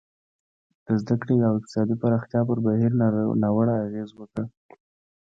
د زده کړې او اقتصادي پراختیا پر بهیر ناوړه اغېز وکړ.